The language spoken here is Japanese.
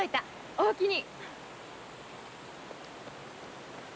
おおきに。